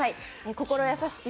心優しき